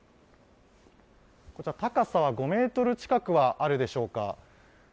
高さは５ｍ近くはあるでしょうか。